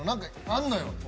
あるのよ。